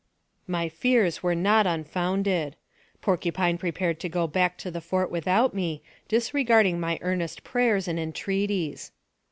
My fears were not unfounded. Porcupine prepared to go back to the fort without me, disregarding my earnest prayers and entreaties.